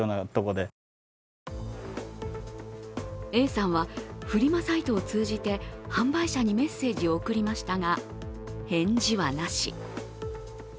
Ａさんはフリマサイトを通じて販売者にメッセージを送りましたが返事はなし。